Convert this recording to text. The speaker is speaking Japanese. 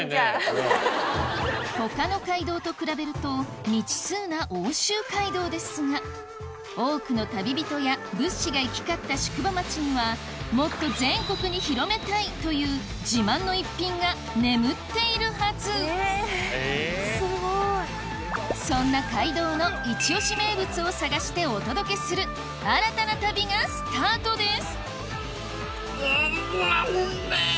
他の街道と比べると未知数な奥州街道ですが多くの旅人や物資が行き交った宿場町にはもっと全国に広めたい！というそんな街道のイチ推し名物を探してお届けする新たな旅がスタートです